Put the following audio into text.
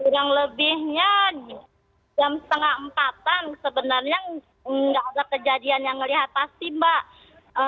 yang lebihnya jam setengah empatan sebenarnya enggak ada kejadian yang melihat pasti mbak